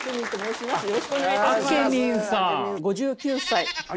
５９歳。